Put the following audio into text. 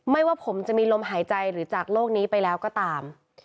ว่าผมจะมีลมหายใจหรือจากโลกนี้ไปแล้วก็ตาม